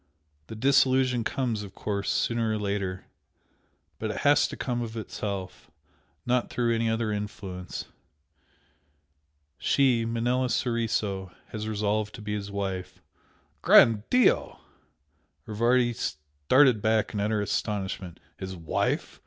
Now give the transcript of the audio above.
The disillusion comes, of course, sooner or later, but it has to come of itself not through any other influence. She Manella Soriso has resolved to be his wife." "Gran' Dio!" Rivardi started back in utter amazement "His wife?